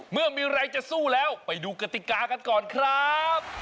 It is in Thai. เมื่อมีอะไรจะสู้แล้วไปดูกติกากันก่อนครับ